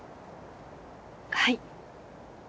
はい。